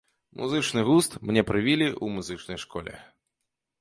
Музычны густ мне прывілі ў музычнай школе.